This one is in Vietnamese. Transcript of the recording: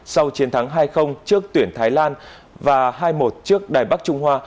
sau chiến thắng hai trước tuyển thái lan và hai một trước đài bắc trung hoa